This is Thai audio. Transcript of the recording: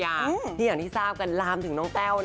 อย่างที่ทราบกันลามถึงน้องแต้ว